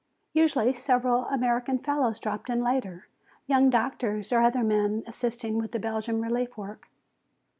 Usually several American fellows dropped in later, young doctors or other men assisting with the Belgian relief work.